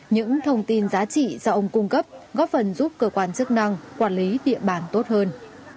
những thông tin giá trị do ông cung cấp góp phần giúp cơ quan chức năng quản lý địa bàn tốt hơn